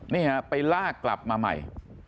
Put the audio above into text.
นี่ฮะไปลากกลับมาใหม่